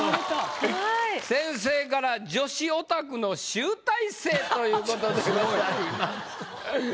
先生から「助詞オタクの集大成」ということでございます。